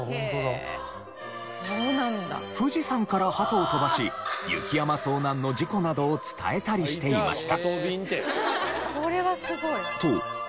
富士山から鳩を飛ばし雪山遭難の事故などを伝えたりしていました。